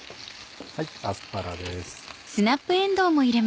アスパラです。